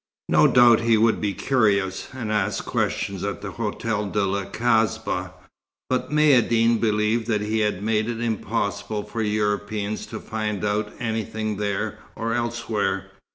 No doubt he would be curious, and ask questions at the Hotel de la Kasbah, but Maïeddine believed that he had made it impossible for Europeans to find out anything there, or elsewhere.